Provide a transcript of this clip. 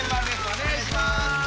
お願いします。